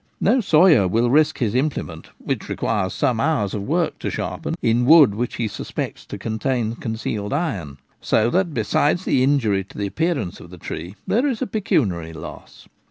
No sawyer will risk his implement — which requires some hours' work to sharpen — in wood which he suspects to contain concealed iron. So that, besides the injury to the appearance of the tree, there is a pecuniary loss.